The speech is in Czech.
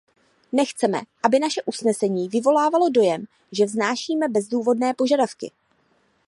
Nechceme, aby naše usnesení vyvolávalo dojem, že vznášíme bezdůvodné požadavky.